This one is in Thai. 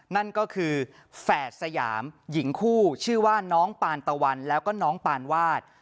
นั่นก็คือแฝดสยามหญิงคู่ชื่อว่าน้องปานตะวันแล้วก็น้องปานวาด